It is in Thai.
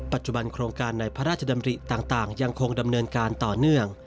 ปัจจุบันโครงการในพระราชดำริต่างยังคงดำเนินการต่อเนื่อง